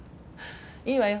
いいわよ。